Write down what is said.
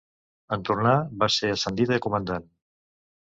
En tornar va ser ascendit a comandant.